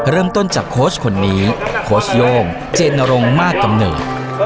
เริ่มต้นจากโค้ชคนนี้โค้ชโย่งเจนรงค์มากกำเนิด